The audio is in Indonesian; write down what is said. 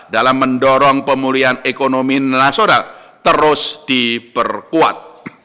dalam mendorong pemulihan ekonomi nasional terus diperkuat